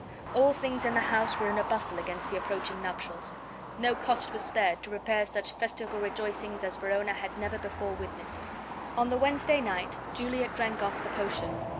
All things in the house were in a bustle against the approaching nuptials. No cost was spared to prepare such festival rejoicings as Verona had never before witnessed. On the Wednesday night Juliet drank off the potion.